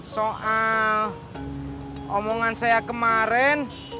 soal omongan saya kemarin